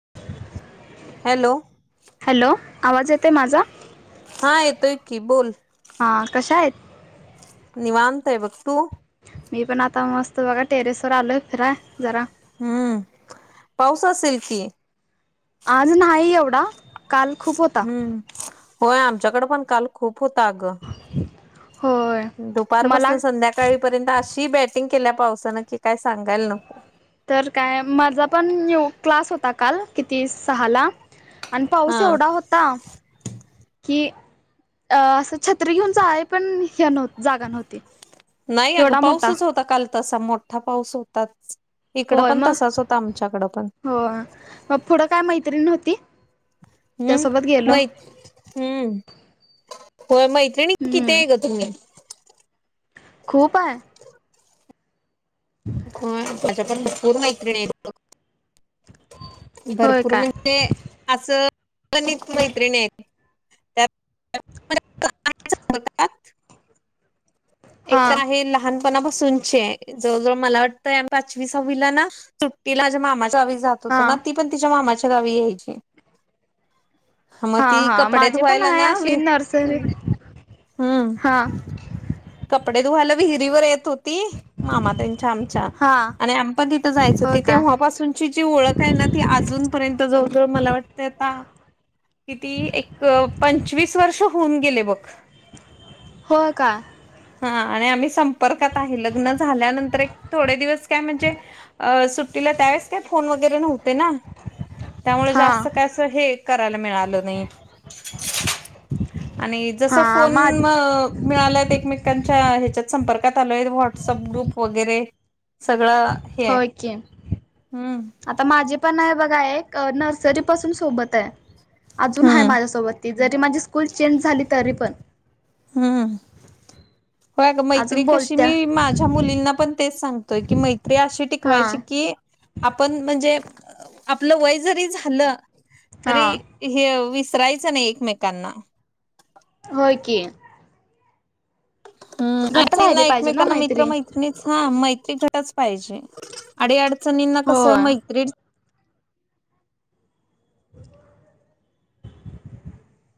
[unintelligible] Hello. Hello आवाज येतय माझा हा येतोय की बोल हा कशा आहेत. निवाांत आहे व तू. मी पण आता मस्त बघा टेरेस वर आलोय फिरा जरा. हम्म पाऊस असेल की. आज नाही एवढा काल खूप होता. हम्म होय आमच्याकडे पण काल खूप होत आगं. होय. मला दुपारपासून संध्याकाळीपर्यंत अशी बॅटिंग केल्या पावसानं की काय सांगायल नको. तर काय माझा पण यो क्लास होता काल. किती सहाला आण हा पाऊस एवढा होता की अ असं छत्री घेऊनच आहे पण ह नव्हत जागा नव्हती नाही अगं एवढा मोठा. पाऊसच होता काल तसा मोठा पाऊस होताच इकडं पण तसाच होता आमच्याकडं पण. हो मग पुढं काय मैत्रीण होती. त्यासोबत हम्म गेलो मैत हम्म हो मैत्रिणी किती हम्म आये ग तुम्ही? खूप आहे. ह त्याच्या पण भरपूर मैत्रिणी हाईत बघ. होय भरपूर काय म्हणजे असं अ मैत्रिणी आहेत. त्यात एक हा तर आहे लहान. बसून ज जवळ मला वाटतं आम्ही पाचवी सवीला ना सुट्टी माया मामावी. तो तो हा ना ती पण तिच्या मामाच्या गावी यायची. मग हा ती हा कपडे माझी पण धुवायला आहे ना अशी नर्सरी. हम्म हा. कपडे धुवाला विहिरीवर येत होती मामा त्यांच्या आमच्या. हा आणि आम पण तिथं जायचं हो त का तेव्हापासूनची जी ओळख आहे ना ती अजूनपर्यंत जवळ जवळ मला वाट ते अता किती एक पंचवीस वर्ष होऊन गेले बघ. हो का. हा आणि आम्ही संपर्कात आहे लग्न झाल्यानंतर एक थोडे दिवस काय म्हणजे. अ सुट्टीला त्यावेळेस काय फोन वगैरे नव्हते ना. त्यामुळे हा जास्त काय असं हे करायला मिळालं नाहीत. आणि जस हा फोन मा म मिळाल्यात एकमेक त्यांच्या ह्याच्यात संपर्कात आलोय व्हॉट्सअप ग्रुप वगैरे सगळं. हे आहे होय कि. हम्म आता माझे पण आहे बघा एक अ नर्सरी पासून सोबत आहे अजून आहे हम्म माझ्यासोबत. ती जरी माझी स्कूल चेंज झाली, तरीपण. हम्म हम्म. होय अगं. मैत्री अजून कशी बोलत्या मी माझ्या मुलींना पण तेच सांगतोय, की मैत्री अशी हा टिकवायची की आपण म्हणजे आपलं वय जरी झालं हा तरी इ हेव विसरायचं नाही एकमेकांना. होय की हं आय घट्ट थिंक ना राहिले पाहिजे एकमेकांना मैत्री मित्र मैत्रिणीत हा मैत्री घट्टच पाहिजे, अडीअडचणींना कसं होय मैत्रीच [inaudible]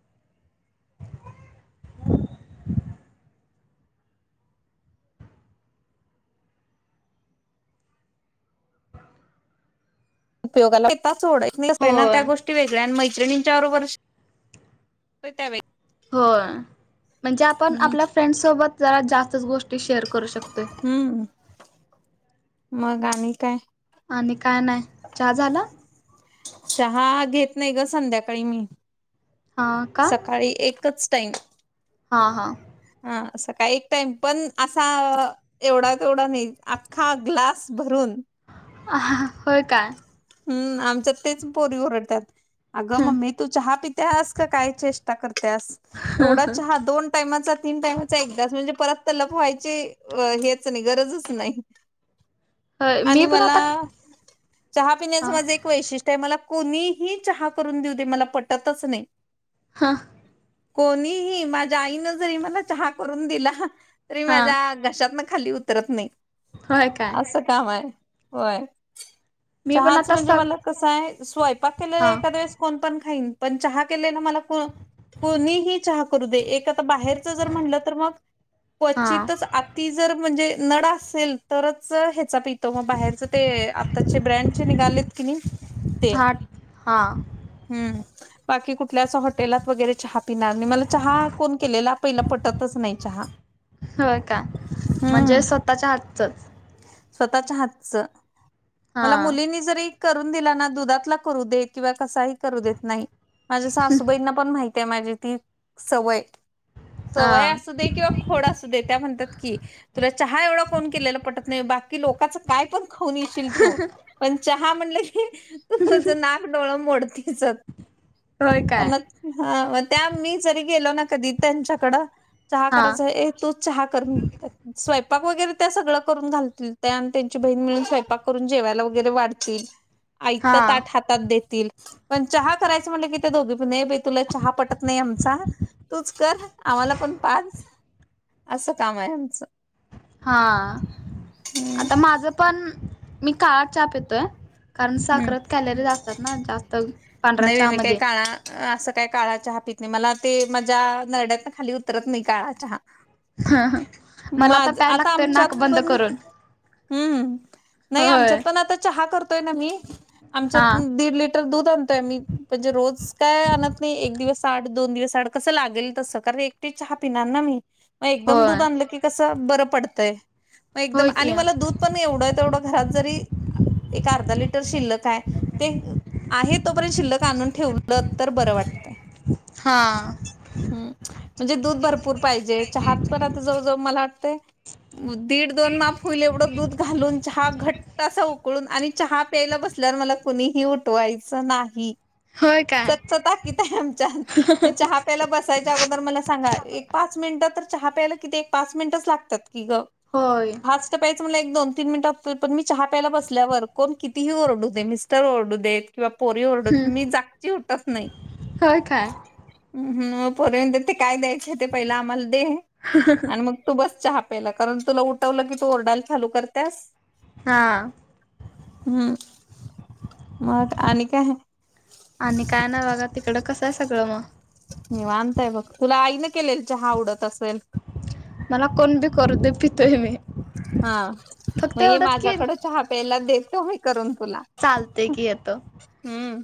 [unintelligible] त्या होय गोष्टी ती वेगळ्या आणि मैत्रिणींच्या बरोबर त्या वेग होय. म्हणजे आपण हम्म. आपल्या फ्रेंड सोबत जरा जास्तच गोष्टी शेअर करू शकतोय. हम्म. मग आणि काय? आणि काय न्हाय, चहा झाला? चहा घेत नाही ग संध्याकाळी मी. हां सकाळी एकच टाईम. हा हा. हा, सकाळी एक टाइम पण असा एवढा तेवढा नाही, आख्खा ग्लास भरून. आहा, होय काय? हम्म, आमच्या तेच पोरी ओरडत्यात. अगं मम्मे तू चहा पित्यास, काय चेष्टा करत्यास? एवढा चहा दोन टाइमाचा, तीन टायमचा एकदाच. म्हणजे परत तलप व्हायची हेच नाही, गरजच नाही. होय, मी आणि पण मला आता चहा पिण्याचं हां माझं एक वैशिष्ट्य आहे, मला कोणीही चहा करून देऊदे मला पटतच नाही. हा. कोणीही, माझ्या आईनं जरी मला चहा करून दिला तरी हां माझ्या घशातनं खाली उतरत नाही. होय काय असं काम आहे होय. मी पण चहाचं आता म्हणजे सग मला कसं आहे, स्वयंपाक केलेला हां एखाद्या वेळेस कोण पण खाईन, पण चहा केले ना मला कोणीही चहा करू दे, एक आता बाहेरच जर म्हणलं तर मग हां क्वचितच आति जर म्हणजे नड असेल, तरच हेचा पी ते मग बाहेरच ते आत्ताचे ब्रँडचे निघालेत कि नाही, ते. हां हां हम्म. बाकी कुठल्या अस हॉटेलात वगैरे चहा पिणार नाही. मला चहा कोण केलेला पहिला पटतच नाही चहा. हो का, म्हणजे स्वतःच्या हातचं. स्वतःच्या हातचं. मला हां मुलींनी जरी करून दिला ना, दुधातला करू दे किंवा कसाही करू देत नाही माझ्या सासूबाईंना पण माहिती आहे माझी ती सवय. सवय हां असू दे किंवा खोड असू दे. त्या म्हणतात की, तुला चहा एवढा कोण केलेला पटत नाही. बाकी लोकाच काय पण खाऊन येशील तू. पण चहा म्हटलं की तू तुझ नाक डोळ मोड चत. होय काय त्यांना हा म त्या मी जरी गेलो ना कधी त्यांच्याकड, चहा हां करायचं ये तू चहा करून [unintelligible] स्वयंपाक वगैरे त्या सर्व करून घालतील त्या आणि त्यांची बहिण मिळून स्वयंपाक करून जेवायला वगैरे वाढतील, आयातं हां ताट हा तात देतील. पण चहा करायच म्हटलं की त्या दोघीपण ये बाई तुला चहा पटत नाही आमचा. तूच कर, आम्हाला पण पाज. असं काम आहे आमचं. हा, आता माझं पण मी काळा चहा पितोय. कारण हम्म साखरात कॅलरीज असतात ना जास्त. पांढऱ्या नाय बाय मी काय चहामध्ये काळा असं काय काळा चहा पित नाही, मला ते माझ्या नरड्यातन खाली उतरत नाही काळा चहा. हा हा. माझ आता आमच्यात पण. हम्म, नाही होय आमच्यात पण आता चहा करतोय ना मी, आमच्यात हा दीड लिट टर दूध आणतोय आम्ही म्हणजे रोज काय आणत नाही एक दिवस आड दोन दिवस आड कसं लागेल तसं कारण एकटी चहा पिणार ना मी. म एकदम होय दूध आणलं की कसं बरं पडतंय म एकदम होय की आणि मला दूध. पण एवढं तेवढं घरात जरी एक अर्धा लिटर शिल्लक आहे. ते आहे तोपर्यंत शिल्लक आणून ठेवलं तर बरं वाटत. हा. हम्म म्हणजे दूध भरपूर पाहिजे चहात पण आता जवळ जव मला वाटतय दीड दोन माप होईल एवढं दूध घालून चहा घट्ट अस उ कळून आणि चहा प्यायला बसल्यावर मला कुणीही उठवायचं नाही. होय काय सक्त ताकीद आहे आमच्यात मी चहा प्यायला बसायच्या अगोदर मला सांगा एक पाच मिनिटं तर चहा प्यायला किती एक पाच मिनिटच लागतात की ग. होय. फास्ट प्यायचं मला एक दोन तीन मिनट त पण मी चहा प्यायला बसल्यावर कोण कितीही ओरडू दे मिस्टर ओरडू देत. किंवा पोरी ओरडू देत मी जागेची उठत नाही. होय काय अ हं मग पोरी म्हणतात ते काय द्यायच आहे ते पहिला आम्हाला दे. आणि मग तू बस चहा प्यायला कारण तुला उठवलं की तू ओरडायला चालू करतीयास. हा हम्म मग आणि काय आहे. आणि काय नाही बघा तिकडं कसं आहे सगळं म? निवांत आहे बघ तुला आईन केलेल चहा आवडत असल. मला कोण बी करू दे पितोय मी. हा फक्त मग ये एवढंच की माझ्याकड चहा प्यायला देतो मी करून तुला. चालते की येतो. हम्म.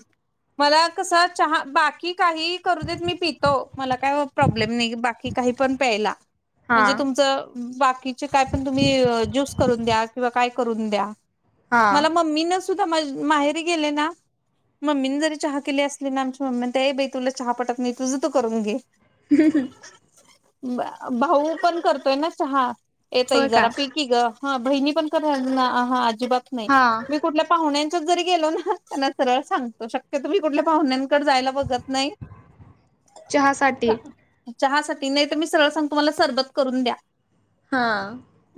मला कस चहा बाकी काही करू देत मी पितो मला काय वब प्रॉब्लेम नाही बाकी काही पण प्यायला. हा म्हणजे तुमचं बाकीचे काय पण तुम्ही ज्यूस करून द्या किंवा काय करून द्या. हा मला मम्मीन सुद्धा माहेरी गेले ना. मम्मीने जरी चहा केली असली ना आमच्या मम्मी ते बाई तुला चहा पटत नाही तुझं त करून घे. [unintelligible] बा भाऊ पण करतोय ना चहा. चई होय जरा काय पि की ग हा बहिनी पण करणार ना आ हा अजिबात नाही. हा कुठल्या पाहुण्यांच्याच जरी गेलो ना त्यांना सरळ सांगतो शक्य तुम्ही कुठल्या पाहुण्यांकड जायला बघत नाही. चहासाठी. चहासाठी नाही तर मी सरळ सांग तुम्हाला सरबत करून द्या. हा.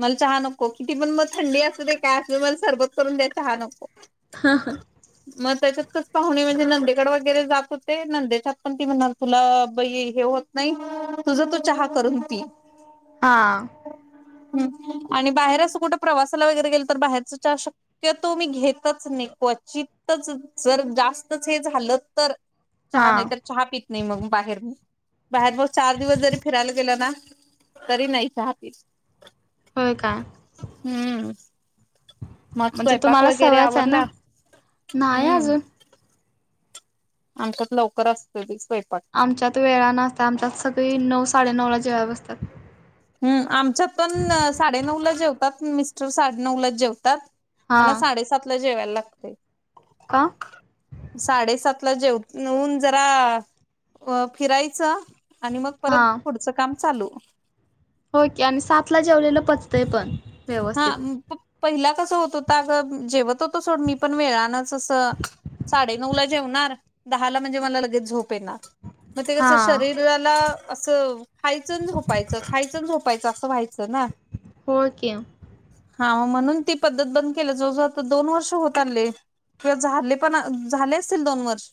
मला चहा नको किती पण मग थंडी असू दे काय असु मला सरबत करून द्या चहा नको. हा हां. मग त्याच्यात कच पाहुणे म्हणजे नंदेकड वगैरे जात होते नंदेच्यात पण ती म्हणणार तुला बई हे होत नाही तुझ तू चहा करून ती. हा. हं आणि बाहेर असं कुठं प्रवासाला वगैरे गेल तर बाहेरच चहा शक ते तो मी घेतच नाही क्वचितच जर जास्तच हे झालं तर. हा चहा नाही तर चहा पित नाही मग बाहेर बाहेर मग चार दिवस जरी फिरायला गेलं ना. तरी नाही चहा पित. होय का. हम्म. मग म्हणजे स्वयंपाक तुम्हाला वगैरे सवयच आहे आवरला ना, नाही अजून. आमचात लवकर असत ती स्वयंपाक. आमच्यात वेळा नसत आमच्यात सगळी नऊ साडेनऊला जेवायला बसतात. हम् आमच्यात पण साडेनऊला जेवतात मिस्टर साडेनऊ ला जेवतात. मला हा साडेसातला जेवायला लागतं का? साडेसातला जेवऊन जरा फिरायचं आणि मगं परत हां पुढचं काम चालू होय की आणि सातला जेवलेलं पचतंय पण हा व्यवस्थित पहिला कसं होत होतं अगं जेवत होतो सोड मी पण वेळानच असं साडे नऊ ला जेवणार दहाला म्हणजे मला लगेच झोप येणार मग ते कसं हां शरीर शरीराला असं खायच आणि झोपायचं खायचं झोपायचं असं व्हायचं ना हो की हा मग म्हणून ती पद्धत बंद केलं जवळजवळ आता दोन वर्ष होत आले. किंवा झाले पण झाले असतील दोन वर्ष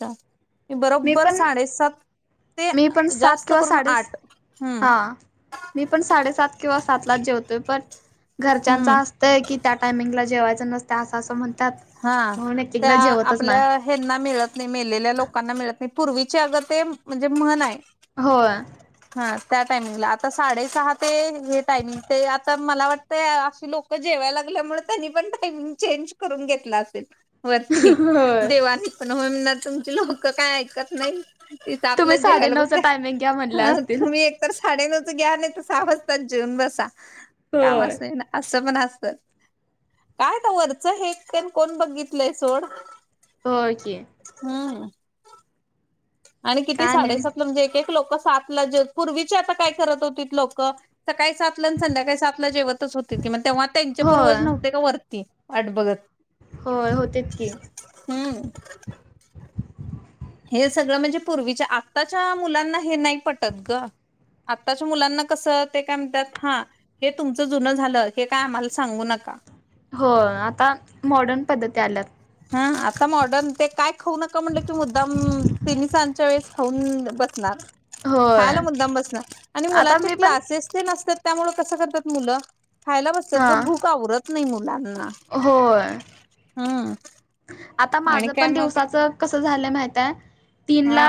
मी बरोबर पण साडेसात ते मी पण सात जास्त किंवा करून साडे? आठ हम्म हां मी पण साडेसात किंवा सात लाच जेवतेय पण घरच्यांचं हम्म अस तर की त्या टायमिंगला जेवायचं नसतं असं असं म्हणतात हा म्हणून एक त्या एकदा जेवतच नाही आपल्या ह्यांना मिळत नाही मेलेल्या लोकांना मिळत नाही पूर्वीचे अगं ते म्हणजे म्हण आहे होय हा त्या टायमिंगला आता साडेसहा ते हे टायमिंग ते आता मला वाट तय अशी लोक जेवायला लागल्यामुळे त्यांनी पण टाईमिंग चेंज करून घेतल असेल असेल वरती होय देवानी पण हो ना तुमची लोक काय ऐकत नाही ते तर तुम्ही आपलंच जेवायला साडेनऊच बसतात टायमिंग घ्या म्हणल्या हा असतील तुम्ही एक तर साडेनऊच घ्या नाही तर सहा वजतात जेऊन बसा काम होय अस नाही ना असं पण असत काय तर वरचं हे तेन कोण बघितलंय सोड होय की हम्म अरे किती काय आणि साडेसातला म्हणजे एक एक लोक सातला जे पूर्वीचे आता काय करत होतीत लोकं? सकाळी सात ला आणि संध्याकाळी सातला जेवतचं होते की मग तेव्हा त्यांचे पूर्वज होय नव्हते का वरती वाट बघत? होय होते की हम्म हे सगळं म्हणजे पूर्वीच्या आत्ताच्या मुलांना हे नाही पटत गं आत्ताच्या मुलांना कसं ते काय म्हणतात हां हे तुमचं जुनं झालं हे काय आम्हाला सांगू नका. हो आता मॉडर्न पद्धती आल्यात. हा आता मॉडर्न ते काय खाऊ नका म्हटलं की मुद्दाम दिनीसां त्यावेळेस खाऊन बसणार होय खायला मुद्दाम बसणार आणि आता मुलांचे मी पण क्लासेस तेन असत्यात त्यामुळे कसं करतात मुलं खायला बसतात हा गं भूक आवरत नाही मुलांना होय हा आता माझं पण दिवसाचं कस झालय माहित आहे? हा तीनला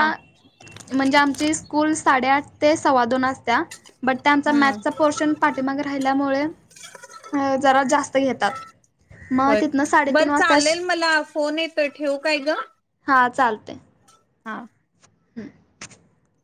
म्हणजे आमची स्कूल साडे आठ ते सव्वा दोन असते बट त्याचं हम्म मॅथचा पोर्शन पाठीमागे राहिल्यामुळे जरा जास्त घेतात मग होय तिथनं साडेतीन बरं वाजता चालेल मला फोन येतोय ठेवू काय गं? हा चालतय हा. [unintelligible]